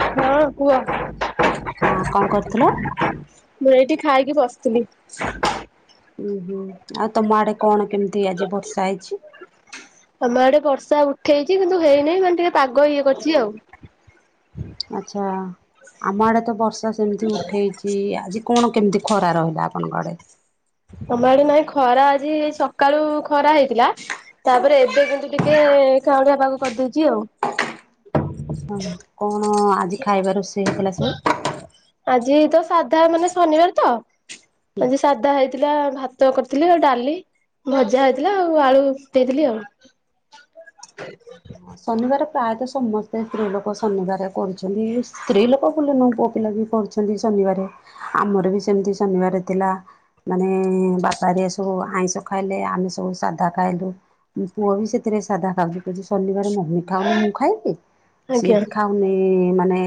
ହଁ କୁହ। ହଁ ହଁ କଣ କରୁଥିଲ? ମୁଁ ଏଇଠି ଖାଇକି ବସିଥିଲି। ଉୁଁ ହୁଁ ଆଉ ତମ ଆଡେ କଣ କେମିତି ଆଜି ବର୍ଷା ହେଇଛି? ଆମ ଆଡେ ବର୍ଷା ଉଠେଇଛି କିନ୍ତୁ ହେଇନାହିଁ ମାନେ ଟିକେ ପାଗ ଇଏ କରିଛି ଆଉ। ଆଚ୍ଛା ଆମ ଆଡେ ତ ବର୍ଷା ସେମିତି ଉଠେଇଚି ଆଜି କଣ କେମତି ଖରା ରହିଲା ଆପଣଙ୍କ ଆଡେ? ତମ ଆଡେ ନାଇଁ ଖରା ଆଜି ସକାଳୁ ଖରା ହେଇଥିଲା, ତାପରେ ଏବେ କିନ୍ତୁ ଟିକେ କାଉଁଳିଆ ପାଗ କରିଦଉଛି ଆଉ। ହ ହଁ କଣ ଆଜି ଖାଇବା ରୋଷେଇ ହେଇଥିଲା ସବୁ? ଆଜି ତ ସାଧା ମାନେ ଶନିବାର ତ, ଆଜି ସାଧା ହେଇ ଥିଲା ଭାତ କରିଥିଲି ଆଉ ଡାଲି, ଭଜା ହେଇଥିଲା ଆଉ ଆଳୁ ଦେଇଥିଲି ଆଉ। ହଁ ଶନିବାର ପ୍ରାୟତଃ ସମସ୍ତେ ସ୍ତ୍ରୀ ଲୋକ ଶନିବାର କରୁଛନ୍ତି। ସ୍ତ୍ରୀ ଲୋକ ବୋଲି ନୁହଁ ପୁଅ ପିଲା ବି କରୁଛନ୍ତି ଶନି ନିବାରେ। ଆମର ବି ସେମତି ଶନିବାର ଥିଲା ମାନେ ବାପା ହେରିକା ସବୁ ଆଇଁଷ ଖା ଖାଇଲେ ଆମେ ସବୁ ସାଧା ଖାଇଲୁ। ପୁଅ ବି ସେଥିରେ ସାଧା ଖାଉନି କହୁଛି ଶନିବାରେ ମମି ଖାଉନି ମୁଁ ଖାଇବି? ସିଏ ଆଜ୍ଞା ବି ଖାଉନି ମାନେ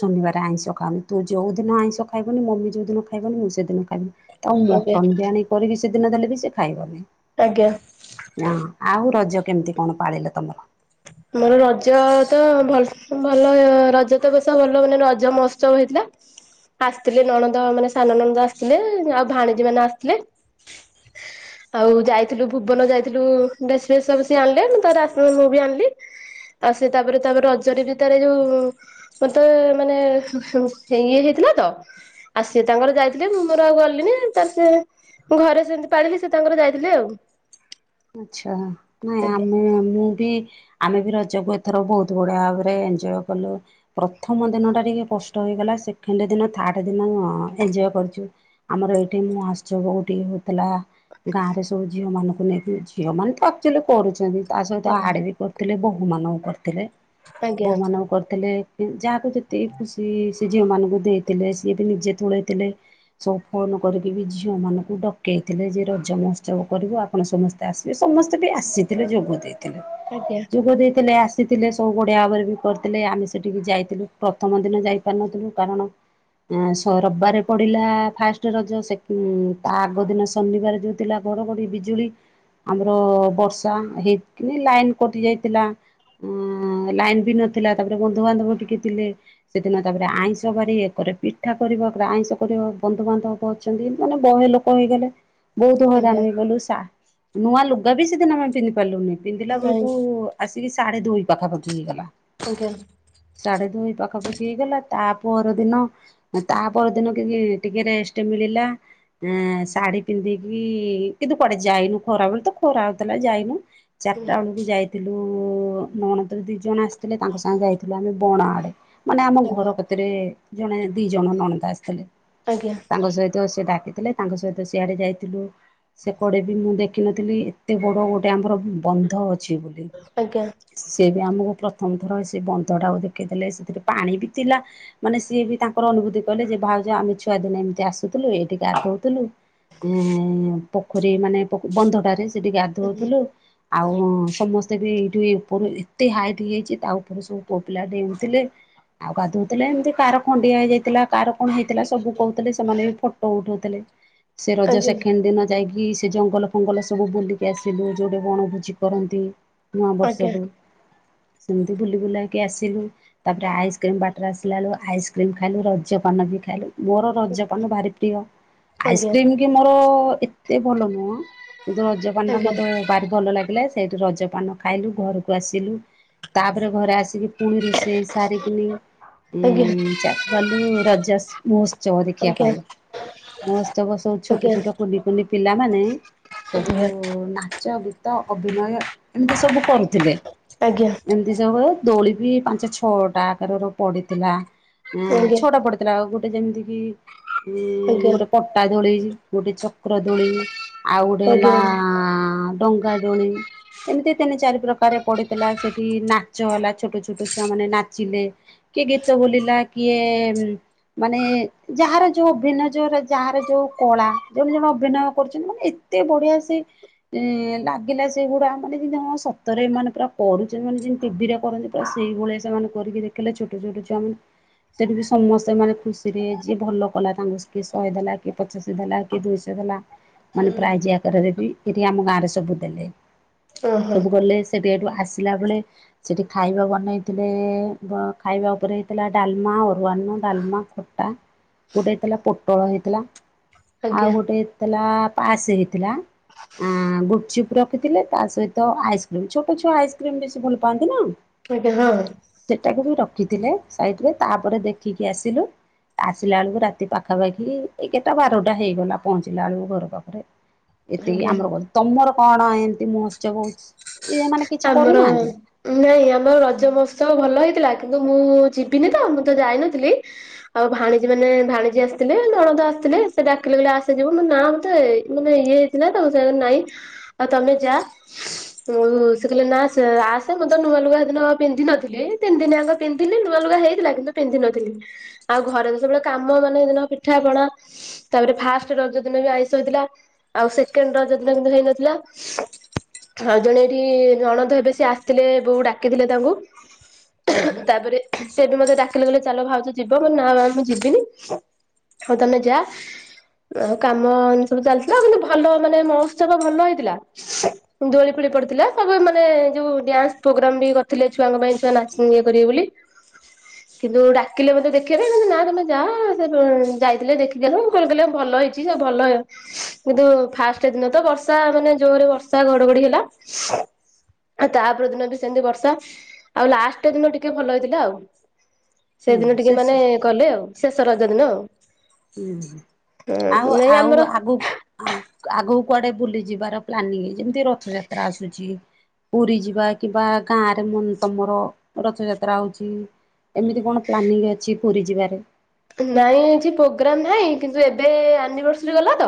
ଶନିବାର ଆଇଁଷ ଖାଉନି। ତୁ ଯୋଉ ଦିନ ଆଇଁଷ ଖାଇବନି ମମି ଯୋଉଦିନ ଖାଇବନି ମୁଁ ସେଇଦିନ ଖାଇବିନି। ଆଉ ଆଜ୍ଞା ମଟନ ବି ଆଣି କରିବି ସେଦିନ ଦେଲେ ବି ସେ ଖାଇବନି। ଆଜ୍ଞା। ନାଁ ଆଉ ରଜ କେମିତି କଣ ପାଳିଲ ତମର? ମୋର ରଜ ତ ଭଲ ଭଲ ରଜ ତ ବେଶ ଭଲ ମାନେ ରଜ ମହୋତ୍ସବ ହେଇଥିଲା। ଆସିଥିଲେ ନଣନ୍ଦ ମାନେ ସାନ ନଣନ୍ଦ ଆସିଥିଲେ, ଆଉ ଭାଣିଜୀ ମାନେ ଆସିଥିଲେ। ଆଉ ଯାଇଥିଲୁ ଭୁବନ ଯାଇଥିଲୁ ଡ୍ରେସ ଫେସ ସବୁ ସିଏ ଆଣିଲେ ତର ମୁଁ ବି ଆଣିଲି। ଆଉ ସେ ତାପରେ ତାପରେ ରଜରେ ବି ଥରେ ଯୋଉ ମତେ ମାନେ ଇଏ ହେଇଥିଲା ତ ଆଉ ସିଏ ତାଙ୍କର ଯାଇଥିଲେ ମୁଁ ମୋର ଆଉ ଗଲିଣିି ତ ସେ ଘରେ ସେମିତି ପାଳିଲି ସେ ତାଙ୍କର ଯାଇଥିଲେ ଆଉ। ଆଚ୍ଛା। ନାଇଁ ଆଜ୍ଞା ଆମେ ମୁଁ ବି ଆମେ ବି ରଜକୁ ଏଥର ବହୁତ ବଢିଆ ଭାବରେ ଏନ୍ଜୟ କଲୁ। ପ୍ରଥମ ଦିନ ଟା ଟିକେ କଷ୍ଟ ହୋଇଗଲା। ସେକେଣ୍ଡ ଦିନ ଥାର୍ଡ ଦିନ ଏଞ୍ଜୟ କରିଚୁ। ଆମର ଏଇଠି ମୁଁ ଆସଚ କୋଉଠି ଥିଲା ଗାଁରେ ସବୁ ଝିଅମାନଙ୍କୁ ନେଇକି ଝିଅମାନେ ତ ଆକ୍ଚୁଆଲି କରୁଚନ୍ତି। ତା ସହିତ ଆଡ଼େ ବି କରୁଥିଲେ ବୋହୂମାନଙ୍କୁ କରିଥିଲେ। ଆଜ୍ଞା ବୋହୂମାନଙ୍କୁ କରିଥିଲେ ଯାହାକୁ ଯେତିକି ଖୁସି ସେ ଝିଅ ମାନଙ୍କୁ ଦେଇଥିଲେ, ସିଏ ବି ନିଜେ ତୋଳେଇଥିଲେ ସବୁ ଫୋନ୍ କରିକି ବି ଝିଅ ମାନଙ୍କୁ ଡକେଇଥିଲେ ଯେ ରଜ ମହୋତ୍ସବ କରିବୁ ଆପଣ ସମସ୍ତେ ସ୍ତେ ଆସିବେ ସମସ୍ତେ ବି ଆସିଥିଲେ ଯୋଗ ଦେଇଥିଲେ। ଆଜ୍ଞା ଯୋଗ ଦେଇଥିଲେ ଆସି ସିଏ ଥିଲେ ସବୁ ବଢ଼ିଆ ଭାବରେ ବି କରିଥିଲେ। ଆମେ ସେଠିକି ଯାଇଥିଲୁ ପ୍ରଥମ ଦିନ ଯାଇପାରିନଥିଲୁ କାରଣ ଆ ସ ରବିବାରେ ପଡିଲା ଫାଷ୍ଟ ରଜ, ସେଇଠୁ ତା ଆଗ ଦିନ ଶନିବାର ଯୋଉ ଥିଲା ଘଡଘଡି ବିଜୁଳି ଆମର ବର୍ଷା ହେଇକିନି ଲାଇନ କଟି ଯାଇଥିଲା। ଅ ଲାଇନ ବି ନଥିଲା ତାପରେ ବନ୍ଧୁବାନ୍ଧବ ଟିକେ ଥିଲେ ସେଦିନ ତାପରେ ଆଇଁଷ ବାରି ଇଏ କ ଇଏ ପିଠା କରିବ ଏପଟେ ଆଇଁଷ କରିବ ବନ୍ଧୁବାନ୍ଧବ ଅଛନ୍ତି ମାନେ ବହେ ଲୋକ ହେଇଗଲେ, ବହୁତ ଆଜ୍ଞା ହଇରାଣ ହେଇଗଲୁ ସା ନୂଆ ଲୁଗା ବି ସେଦିନ ଆମେ ପିନ୍ଧି ପାରିଲୁନି। ପିନ୍ଧିଲା ନାଇଁ ବେଳକୁ ଆସିକି ସାଢେ ଦୁଇ ପାଖାପାଖି ହେଇଗଲା। ଆଜ୍ଞା ସାଢେ ଦୁଇ ପାଖାପାଖି ହେଇଗଲା ତା ପର ଦିନ ତା ପର ଦିନ କି ଟିକେ ରେଷ୍ଟ ମିଳିଲା ଆ ଶାଢୀ ପିନ୍ଧିକି କିନ୍ତୁ କୁଆଡେ ଯାଇନୁ ଖରାବେଳେ ତ ଖରା ହଉଥିଲା ଯାଇନୁ। ଚାରିଟା ବେଳକୁ ଯାଇଥିଲୁ ନଣନ୍ଦର ଦି ଜଣ ଆସି ଥିଲେ ତାଙ୍କ ସାଙ୍ଗେ ଯାଇଥିଲେ ଆମେ ବଣ ଆଡ଼େ। ମାନେ ଆମ ଘର କତେରେ ଜଣେ ଦି ଜଣ ନଣନ୍ଦ ଆସିଥିଲେ। ଆଜ୍ଞା ତାଙ୍କ ସହିତ ସେ ଡାକି ଥିଲେ ତାଙ୍କ ସହିତ ସିଆଡେ ଯାଇଥିଲୁ। ସେପଡେ ବି ମୁଁ ଦେଖିନଥିଲି ଏତେ ବଡ ଗୋଟେ ଆମର ବନ୍ଧ ଅଛି ବୋଲି ଆଜ୍ଞା ଆଜ୍ଞା ସେବି ଆମକୁ ପ୍ରଥମ ଥର ସେ ବନ୍ଧ ଟାକୁ ଦେଖେଇଦେଲେ ସେଥିରେ ପାଣି ବି ଥିଲା ମାନେ ସିଏ ବି ତାଙ୍କର ଅନୁଭୂତି କଲେ ଯେ ବାହାଘ ଆମେ ଛୁଆ ଦିନ ଏମିତି ଆସୁଥିଲୁ ଏଇଠି ଗାଧୋଉଥିଲୁ ଉ ପୋଖରୀ ମାନେ ବନ୍ଧଟାରେ ସେଠି ଗାଧଉଥିଲୁ ଆଉ ସମସ୍ତେ ତେ ଏଇଠି ଉପ ଏତେ ହାଇଟ୍ ହେଇଯାଇଛି ତା ଉପରେ ସବୁ ପୁଅପିଲା ଡେଉଥିଲେ। ଆଉ ଗାଧଉଥିଲେ ଏମିତି କାହାର ଖଣ୍ଡିଆ ହେଇଯାଇଥିଲା କାହାର କଣ ହେଇଥିଲା ସବୁ କହୁଥିଲେ ସେମାନେ ବି ଫଟୋ ଉଠଉଥିଲେ। ସେ ରଜ ଆଜ୍ଞା ସେଖେଣ୍ଡ ଦିନ ଯାଇକି ସେ ଜଙ୍ଗଲ ଫଙ୍ଗଲ ସବୁ ବୁଲିକି ଆସିଲୁ ଯେଉଁଠି ବଣଭୋଜି କରନ୍ତି ନୂଆ ଆଜ୍ଞା ବର୍ଷକୁ ସେମିତି ବୁଲି ବୁଲାଇକି ଆସିଲୁ ତାପରେ ଆଇସ୍କ୍ରିମ୍ ବାଟରେ ଆସିଲା ଆଳୁକୁ ଆଇସ୍କ୍ରିମ୍ ଖାଇଲୁ ରଜପାନ ବି ଖାଇଲୁ। ମୋର ରଜପାନ ଭାରି ପ୍ରିୟ ଆଜ୍ଞା ଆଇସ୍କ୍ରିମ କି ମୋର ଏତେ ଭଲ ନୁହଁ। କିନ୍ତୁ ରଜପାନ ଆଜ୍ଞା ଟା ଆଜ୍ଞା ମତେ ଭାରି ଭଲ ଲାଗିଲା ସେଇଠି ରଜପାନ ଖାଇଲୁ ଘରକୁ ଆସିଲୁ। ତାପରେ ଘରେ ଆସିକି ପୁଣି ରୋଷେଇ ସାରିକି ହୁଁ ଆଜ୍ଞା। ଚା କଲୁ ରଜମହୋତ୍ସବ ଆଜ୍ଞା ଦେଖିବା। ମହୋତ୍ସବ ସବୁ ଆଜ୍ଞା ଛୋଟଛୋଟ କୁନିକୁନି ପିଲାମାନେ ଆଜ୍ଞା ସବୁ ନାଚ ତ ଅଭିନୟ ଏମିତି ସବୁ କରୁଥିଲେ ଆଜ୍ଞା ଏମିତି ସବୁ ଦୋଳି ବି ପାଞ୍ଚ ଛଅଟା ଆକାର ପଡିଥିଲା ଏ ଆଜ୍ଞା ଛଅଟା ପଡିଥିଲାଉ ଗୋଟେ ଗଟେ ଯେମିତି କି ଆଜ୍ଞା ଗୋଟେ ପଟାଦୋଳି ଗୋଟେ ଚକ୍ରଦୋଳି ଆ ହେଲା ଆଜ୍ଞା ଡଙ୍ଗାଦୋଳି ଏମିତି ତିନି ଚାରି ପ୍ରକାର ପଡିଥିଲା ସେଠି ନାଚ ହେଲା ଛୋଟ ଛୋଟ ଛୁଆ ମାନେ ନାଚିଲେ। କିଏ ଗୀତ ବୋଲିଲା କିଏ ମାନେ ଯାହାର ଯୋଉଁ ଅଭିନୟ ଯୋର ଯାହାର ଯୋଉଁ କଳା ଜୋ ଜଣେ ଅଭିନୟ କରୁଛନ୍ତି ମାନେ ଏତେ ବଢିଆ ସେ ଏ ଲାଗିଲା ସେଗୁଡା ମାନେ ଯେମିତି କଣ ସତରେମାନେ ପୁରା କରୁଛନ୍ତି ମାନେ ଯେମିତି ଟିଭିରେ କରନ୍ତି ପୁରା ସେଇଭଳିଆ ସେମାନେ କରିକି ଦେଖିଲେ ଛୋଟ ଛୋଟ ସେଠି ବି ସମସ୍ତେ ମାନେ ଖୁସିରେହ ଯିଏ ଭଲ କଲା ତାଙ୍କୁ କିଏ ଶହେ ଦେଲା କିଏ ପଚାଶେ ଦେଲା କିଏ ଦୁଇଶହ ଦେଲା। ମାନେ ପ୍ରାୟ ଯ ଆକାରରେ ବି ଏଠି ଆମ ଗାଁ ରେ ସବୁ ଦେଲେ ଓହୋ ସବୁ ଗଲେ ସେ ବେଠୁ ଆସିଲା ବେଳେ ସେଠି ଖାଇବା ବନେଇଥିଲେ ଖାଇବା ଉପରେ ହେଇଥିଲା ଡାଲମା ଅରୁଆନ ଡାଲମା ଖଟା ଗୋଟେ ହେଇଥିଲା ପୋଟଳ ହେଇଥିଲା। ଆଉ ଆଜ୍ଞା ଗୋଟେଥିଲା ପାସ ହେଇଥିଲା। ଆ ଗୁପଚୁପ୍ ରଖିଥିଲେ ତା ସହିତ ଆଇସ୍କ୍ରିମ୍ ଛୋଟ ଛୁଆ ଆଇସ୍କ୍ରିମ୍ ବେଶୀ ଭଲ ପାଆନ୍ତି ନାଁ। ଆଜ୍ଞା ହଁ। ରଖିଥିଲେ ସାଇଟି ରେ ତାପରେ ଦେଖିକି ଆସିଲୁ। ଆସିଲା ବେଳକୁ ରାତି ପାଖାପାଖି ଏଗଟା ବାରଟା ହେଇଗଲା ପହଞ୍ଚିଲା ବେଳକୁ ଘର ପାଖକୁ। ଏତିକି ଆଜ୍ଞା ଆମର କ ତମର କଣ ଏମିତି ମୁତ୍ସବ ହୋଉଛି? ଆମର ନାଇଁ ଆମର ରଜ ମହୋତ୍ସବ ଭଲ ହେଇ ଥିଲା କିନ୍ତୁ ମୁଁ ଯିବିନି ତ ମୁଁ ତ ଯାଇନଥିଲି ଆଉ ଭାଣିଜୀ ମାନେ ଭାଣିଜୀ ଆସିଥିଲେ ନ ଆସିଥିଲେ ସେ ଡାକିଲେ ଆସିଲେ ଆସେ ଯିବୁ ନାଁ ମତେ ମାନେ ଇଏ ହେଇଥିଲା ତା ସାଙ୍ଗ ନାଇଁ ଆଉ ତମେ ଯା ଉ ସେ କହିଲେ ନାଁ ସେ ଆସେ ମୁଁ ତ ନୂଆ ଲୁଗା ହେଦିନ ପିନ୍ଧିନଥିଲି ତିନି ଦିନଆ ପିନ୍ଧିଲି ନୂଆ ଲୁଗା ହେଇଥିଲା କିନ୍ତୁ ପୀଧିନଥିଲି ଆଉ ଘରେ ଯେବେଳେ କାମ ମାନେ ପିଠା ପଣା ତାପରେ ଫାଷ୍ଟ ରଜ ଦିନ ଆଇଁସ ଥିଲା ଆଉ ସେକେଣ୍ଡ ରଜ ଦିନ ହେଇନଥିଲା ଆଉ ଜଣେ ଏଠି ଜଣନ୍ତ ହେବେ ସେ ଆସିଥିଲେ ବୋଉ ଡାକିଥିଲେ ତାଙ୍କୁ ଆଜ୍ଞା ତାପରେ ସେ ବି ମତେ ଡକିଲେ ଚାଲ ଭାଉଜ ଯିବ ନାଁ ମୁଁ ଯିବିନି ଆଉ ତମେ ଯା ଆଉ କାମ ଏତି ସବୁ ଚାଲିଥିଲା ଆଉ କିନ୍ତୁ ଭଲ ମାନେ ମହୋତ୍ସବ ଭଲ ହେଇଥିଲା ଦୋଳି ଫୋଳି ପଡିଥିଲା। ସ ମାନେ ଯୋଉଁ ଡ୍ୟାନ୍ସ ପ୍ରୋଗ୍ରାମ ବି କରିଥିଲେ ଛୁଆଙ୍କ ପାଇଁ ଛୁଆ ନାଚ ଇଏ କରିବେ ବୋଲି। କିନ୍ତୁ ଡାକିଲେ ମତେ ଦେଖିବା ପାଇଁ ନାଁ ତମେ ଯା ଯାଇଥିଲେ ଦେଖିଦେଲୁ ଭଲ ଭଲ ହେଇଛି ସ ଭଲ ହ କିନ୍ତୁ ଫାଷ୍ଟ ଦିନ ତ ବର୍ଷା ମାନେ ଜୋରରେ ବର୍ଷା ଘଡଘଡି ହେଲା। ଆଉ ତାପରଦିନ ସେମିତି ବର୍ଷା ଆଉ ଲାଷ୍ଟ ଦିନ ଟିକେ ଭଲ ହେଇଥିଲା ଆଉ ହୁଁ ସେଦିନ ସେ ଟିକେ ମାନେ କଲେ ଆଉ ଶେଷ ରଜ ଦିନ ଆଉ। ହୁଁ ଆଉ ହୁଁ ନାଇଁ ଆଉ ଆମର ଆଗ ଆଗକୁ ଆଗକୁ କୁଆଡ଼େ ବୁଲିଯିବାର ପ୍ଲାନିଂ ଯେମିତି ରଥଯାତ୍ରା ଆସୁଛି ପୁରୀ ଯିବା କିମ୍ବା ଗାଁରେ ମ ତମର ରଥଯାତ୍ରା ହଉଚି ଏମିତି କଣ ପ୍ଲାନିଂ ଅଛି ପୁରୀ ଯିବାରେ? ନାଇଁ କିଛି ପ୍ରୋଗ୍ରାମ ନହିଁ କିନ୍ତୁ ଏବେ ଆନିଭର୍ସରୀ ଗଲା ତ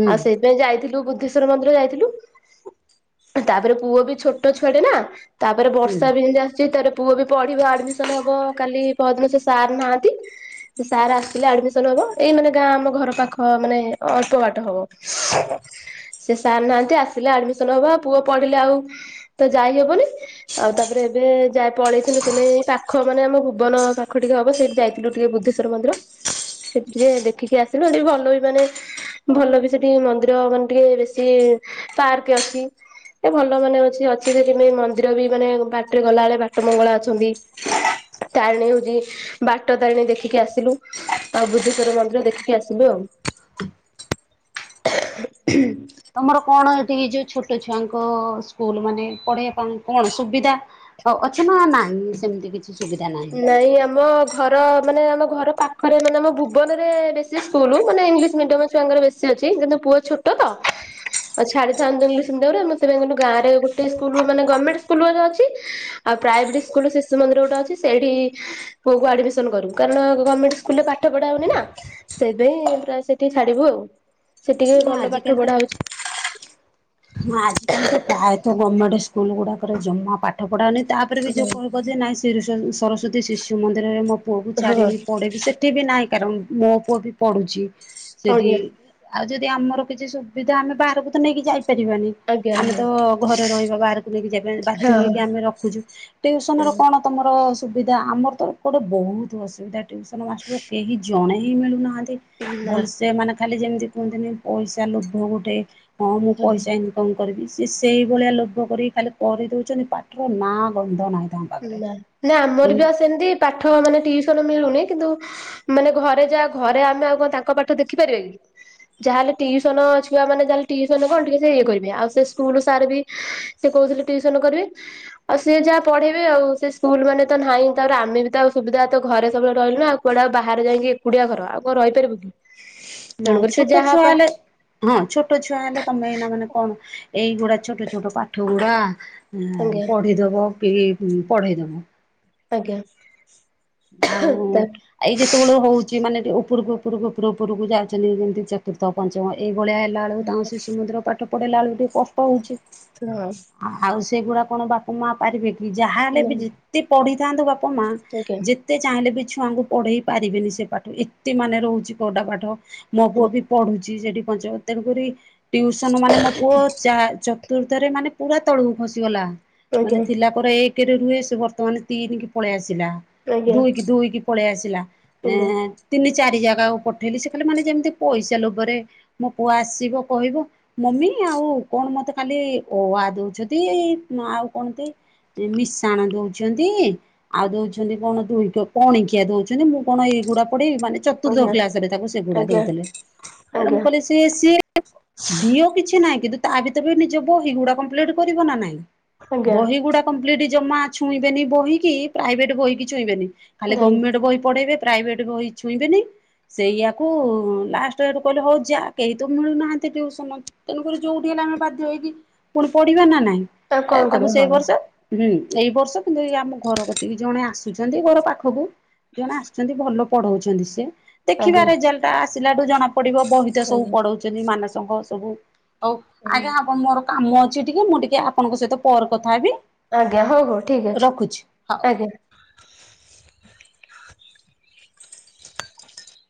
ହୁଁ ସେଇପାଇଁ ଯାଇଥିଲୁ ବୁଦ୍ଧେଶ୍ୱର ମନ୍ଦିର ଯାଇ ଥିଲୁ ତାପରେ ପୁଅ ବି ଛୋଟ ଛୁଆଟେ ନା ତାପରେ ହୁଁ ବର୍ଷା ବି ହେମିତି ଆସୁଚି ତାର ପୁଅ ଏବେ ପଢିବ ଆଡମିସନ୍ ହବ କାଲି ପରଦିନ ସେ ସାର୍ ନାହାନ୍ତି। ସାର୍ ଆସିଲେ ଆଡମିସନ୍ ହବ ଏଇ ମାନେ ଗାଁ ଆମ ଘର ପାଖ ମାନେ ଅଳ୍ପ ବାଟ ହବ। ସେ ସାର୍ ନାହାନ୍ତି ଆସିଲେ ଆଡମିସନ ହବ ପୁଅ ପଢିଲେ ଆଉ ତ ଯାଇହବନି ଆ ଆଉ ତାପରେ ଏବେ ଯା ପଳେଇଥିଲୁ ତମ ପାଖ ମାନ ଆମ ଭୁବନ ପାଖ ଟିକେ ହବ ସେଇଠି ଯାଇଥିଲୁ ଟିକେ ବୁଦ୍ଧେ ସର ମନ୍ଦିର। ସେଠି ଟିକେ ଦେଖିକି ଆସିଲୁ ହେଟି ଭଲ ବି ମାନେ ଭଲ ବି ସେଠି ମନ୍ଦିର ମାନେ ଟିକେ ବେଶୀ ପାର୍କ ଅଛି। ଏ ଭଲ ମାନେ ଅଛି ଅଛି ସେଠି ମେ ମନ୍ଦିର ବି ମାନେ ବାଟରେ ଗଲାବେଳେ ବାଟ ମଙ୍ଗଳା ଅଛନ୍ତି। ତାରିଣୀ ହଉଚି ବାଟ ତାରିଣୀ ଦେଖିକି ଆସି ଆସିଲୁ ଆଉଁ ବୁଦ୍ଧେଶ୍ଵର ମନ୍ଦିର ଦେଖିକି ଆସିଲୁ ଆଉ। ତମର କଣ ଏ ଏଇ ଯଉ ଛୋଟ ଛୁଆଙ୍କ ସ୍କୁଲ ମାନେ ପଢ଼େଇବା ପାଇଁ କଣ ସୁବିଧା ଅ ଅଛି ନା ନାଇଁ ସେମିତି କିଛି? ସୁବିଧା ନାହିଁ ନାଇଁ ଆମ ଘର ମାନେ ଆମ ଘର ପାଖରେ ମାନେ ଆମ ଭୁବନରେ ବେଶୀ ସ୍କୁଲ୍ ମାନେ ଇଂଲିଶ ମିଡିୟମ ଛୁଆଙ୍କର ବେଶୀ ଅ ଛି ଯେହେତୁ ପୁଅ ଛୋଟ ଆଉ ଛାଡିଥାନ୍ତୁ ଇଂଲିଶ ମିଡିୟମ ରେ ମତେ [unintelligible] ଗାଁରେ ଗୋଟେ ସ୍କୁଲ ମାନେ ଗମେଣ୍ଟ ସ୍କୁଲ୍ ଅଛି ଆଉ ପ୍ରାଇଭେଟ ସ୍କୁଲ ଶିଶୁ ମନ୍ଧିର ଗୋଟ ଅଛି। ସେଇଠି ପୁଅକୁ ଆଡମିସନ୍ କରୁ କାରଣ ଗମେଣ୍ଟ ସ୍କୁଲରେ ପାଠ ପଢା ହଉନି ନା ସେପାଇଁ ପ୍ରାୟ ସେଠିକି ଛାଡିବୁ ଆଉ ସେଠି ଟିକେ ନା ଭଲ ପାଠ ଆଜିକାଲି ତ ପଢା ହଉଚି। ହଁ ଆଜିକାଲି ତ ପ୍ରାୟତ ଗମେଣ୍ଟ ସ୍କୁଲ ଗୁଡାକରେ ଜମା ପାଠ ପଢା ହଉନି। ତା ପରେ ବି ଯୋଉ କଣ କହୁଚି ନାଇଁ ଶିରି ସରସ୍ଵତୀ ଶିଶୁ ମନ୍ଦିରରେ ମୋ ପୁଅକୁ ହଁ ଛାଡ଼ିବି ପଢ଼େଇିବି ସେଠି ବି ନାହିଁ। କାରଣ ମୋ ପୁଅ ବି ପଢୁଚି ସେଠି ଆଜ୍ଞା ଆଉ ଯଦି ଯେ ଆମର କିଛି ସୁବିଧା ଆମେ ବାହାରକୁ ତ ନେଇକି ଯାଇ ପାରିବାନି ଆଜ୍ଞା ଆମେ ତ ଘରେ ରହିବା ବାହାରକୁ ନେଇକି ଯାଇପାରିବାନି ବାଧ୍ୟ ହଁ ହେଇକି ଆମେ ରଖୁଚୁ ଟିୟୁସନ ଆଉ କଣ ହଁ ତମର ସ ସୁବିଧା ଆମର ତ ଏପଟେ ବହୁତ ଅସୁବିଧା ଟିଉସନ୍ ମାଷ୍ଟର କେହି ଜଣେ ହିଁ ମିଳୁନାହାନ୍ତି। ନା ଭଲସେ ମାନେ ଖାଲି ଯେମିତି କୁହନ୍ତିନି ପଇସା ଲୋଭ ଗୋଟେ ହଁ। ମୁଁ ପଇସା ଇନକମ୍ କରିବି ସେ ସେଇଭଳିଆ ଲୋଭ କରିକି ଖାଲି କରିଦଉଛନ୍ତି ପାଠର ନାଁ ଗନ୍ଧ ନାହିଁ। ତାଙ୍କ ପାଖରେ ନା ନା ଆମର ବି ଆ ସେମିତି ପାଠ ମାନେ ଟିଉସନ ମିଳୁନି କିନ୍ତୁ ମାନେ ଘରେ ଯାହା ଘରେ ଆମେ ଆଉ କଣ ତାଙ୍କ ପାଠ ଦେଖିପାରିବା କି ଯାହାହେଲେ ଟିଉସନ ଛୁଆ ମାନେ ଯହାେଲେ ଟିଉସନ୍ କଣ ଟିକେ କରିବେ ଆଉ ସେ ସ୍କୁଲ ସାର୍ ବି ସେ କହୁଥିଲେ ଟିଉସନ କରିବେ ଅ ସେ ଯାହା ପଢେଇବେ ଆଉ ସେ ସ୍କୁଲ ମାନେ ତ ନାହିଁ ତାର ଆମେ ବି ତ ସୁବିଧା ତ ଘରେ ସବୁବେଳେ ରହିଲୁନା କୁଆଡେ ବାହାରେ ଯାଇଁକି ଏକୁଟିଆ ଏକୁଟିଆ ଘର ଆଉ କଣ ରହିପାରିବୁ କି। ନାଇଁ ତେଣୁକରି ସେ ଛୋଟ ଯାହା ଛୁଆ ପା ହେଲେ ହଁ ଛୋଟ ଛୁଆ ହେଲେ ତମେ ଏଇନା ମାନେ କଣ ଏଇଗୁଡା ଛୋଟ ଛୋଟ ପାଠ ଗୁଡା ଆଜ୍ଞା ପଢିଇଦେବ ପି ପଢେଇ ଦବ। ଆଜ୍ଞା। ଆଉ ତାପରେ ଏଇ ଯେତେବେଳେ ହଉଛି ମାନେ ଉପରକୁ ଉପରକୁ ଉପର ଉପରକୁ ଯାଉଚନ୍ତି ଯେମିତି ଚତୁର୍ଥ ପଞ୍ଚମ ଏ ଏହିଭଳିଆ ହେଲା ବେଳକୁ ତାଙ୍କ ଶିଶୁମନ୍ଦିର ପାଠ ପଢେଇଲା ବେଳକୁ ଟିକେ କଷ୍ଟ ହଉଚି। ହଁ [unintelligible] ସେଗୁଡା କଣ ବାପା ମା ପାରିବେ କି? ଯାହାହଲେ ବି ଯେତେ ପଢିଥାନ୍ତୁ ବାପା ମା ଆଜ୍ଞା ଆଜ୍ଞା ଯେତେ ଚାହିଁଲେ ବି ଛୁଆଙ୍କୁ ପଢ଼େଇ ପାରିବେନି ସେ ପାଠ, ଏତେ ମାନେ ରହୁଛି କଡା ପାଠ ମୋ ପୁଅ ବି ପଢୁଛି ସେଠି ପଞ୍ଚ, ତେଣୁକରି ଟ୍ୟଉସନ ମାନେ -ମୋ ପୁଅ ଚତୁର୍ଥରେ ମାନେ ପୁରା ତଳକୁ ଖସିଗଲା, ମାନେ ଥିଲା ପରେ ଏକ [unintelligible] ରେ ରୁହେ ସେ ବର୍ତମାନ ତିନିକି ପଳେଇ ଆସିଲା ଆଜ୍ଞା ଆଜ୍ଞା ଦୁଇ, ଦୁଇକି, ପଳେଇ ଆସିଲା ଏ ତିନି ଚାରି ଜାଗା ପଠେଇଲି, ସେ କହିଲ ମାନେ ଯେମିତି ପଇସା ଲୋଭରେ, ମୋ ପୁଅ ଆସିବ କହିବ -ମମି ଆଉ କଣ? ମତେ ଖାଲି ଅ ଆ ଦଉଛନ୍ତି, ଏଇ ଆଉ କଣନ୍ତି ମିଶାଣ ଦଉଛନ୍ତି ଆଉ ଦଉଛନ୍ତି କଣ? ଦୁଇକ ପଣିକିଆ ଦଉଛନ୍ତି, ମୁଁ କଣ ଏଇଗୁଡା କୋଉଠି ମାନେ ଚତୁର୍ଥ ଆଜ୍ଞା କ୍ଲାସ ରେ ତାକୁ ସେ ଘୁଡା ଆଜ୍ଞା ଦଉଥିଲେ ତେଣୁ ଆଜ୍ଞା ମୁଁ କହିଲି -ସିଏ, ସିଏ ଦିଅ କିଛି ନାହିଁ, କିନ୍ତୁ ତା ଭିତରେ ନିଜ ବହି ଗୁଡା କପ୍ଲୀଟ୍ କରିବ କି ନାହିଁ, ଆଜ୍ଞା ବହି ଗୁଡା କ ଜମା ଛୁଇଁବେନି ବହି କି, ପ୍ରାଇଭେଟ ବହି କି ଛୁ ଇଁବେନି, ଖାଲି ଯାଇ ଗଭର୍ଣ୍ଣମେଣ୍ଟ ବହି ପଢେଇବେ। ପ୍ରାଇଭେଟ ବହି ଛୁଇଁବେନି ସେଇଆକୁ ଲାଷ୍ଟ ଆଡ କୁ କହିଲେ, ହଉ ଯା କେହି ତ ମିଳୁନାହାନ୍ତି ଟିୟୁସନ, ତେଣୁକରି ଯୋଉଠି ଆମେ ବାଧ୍ୟ ହେଇକି ପୁଣି ପଢିବା ନା ନାହିଁ ଆଉ କଣ ତାକୁ ସେଇ କରିବା ହଁ ବର୍ଷ, ହୁଁ ଏଇ ବର୍ଷ କିନ୍ତୁ ଏଇ ଆମ ଘର କତି ଜଣେ ଆସେ [unintelligible] ପାଖକୁ ଜଣେ ଆସୁଚନ୍ତି, ଭଲ ପଢଉଛନ୍ତି ସେ, ଦେଖବା ଆଜ୍ଞା ରେଜଲ୍ଟ ଆସୁ ଆସିଲାଠୁ ଜଣା ପଡିବ, ବହିତ ସବୁ ଆଜ୍ଞା ପଡଉଛନ୍ତି, ମାନସ ଅଙ୍କ ସବୁ, ହଉ ଆଜ୍ଞା ମୋର କାମ ଅଛି ଟିକେ, ମୁଁ ଟିକେ ଆପଣଙ୍କ ସହିତ ପରେ କଥା ହେବି। ଆଜ୍ଞା ହଉ ହଉ ଠିକ୍ ଅଛି, ରଖୁଛି ହଉ। ଆଜ୍ଞା।